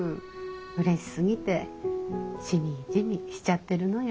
うれしすぎてしみじみしちゃってるのよ。